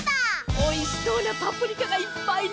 おいしそうなパプリカがいっぱいね！